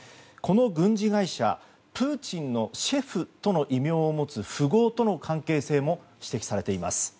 この軍事会社プーチンのシェフとの異名を持つ富豪との関係性も指摘されています。